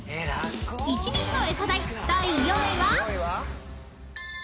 ［１日のエサ代第４位は？］